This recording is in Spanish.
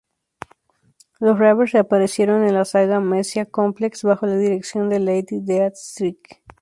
Los Reavers reaparecieron en la saga "Messiah Complex", bajo la dirección de Lady Deathstrike.